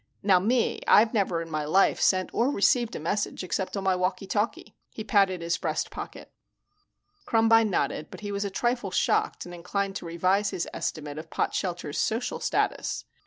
Now me, I've never in my life sent or received a message except on my walky talky." He patted his breast pocket. Krumbine nodded, but he was a trifle shocked and inclined to revise his estimate of Potshelter's social status.